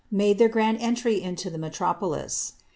made their grand entry into the metropolis.